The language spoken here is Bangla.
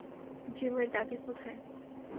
জিমের দাদি কোথায়?